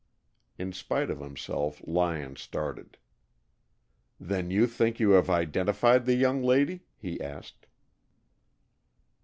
In spite of himself, Lyon started. "Then you think you have identified the young lady?" he asked.